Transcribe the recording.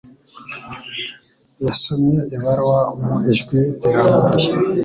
Yasomye ibaruwa mu ijwi riranguruye.